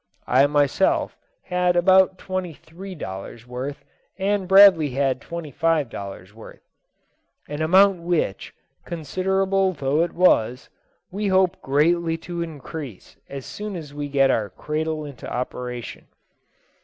I myself had about twenty three dollars' worth, and Bradley had twenty five dollars' worth. An amount which, considerable though it was, we hope greatly to increase as soon as we get our cradle into operation.